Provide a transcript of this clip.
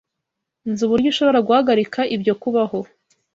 Nzi uburyo ushobora guhagarika ibyo kubaho.